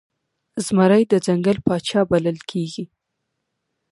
زمری د ځنګل پاچا بلل کېږي.